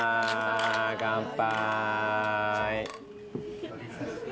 乾杯。